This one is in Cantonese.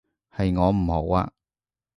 係我唔好啊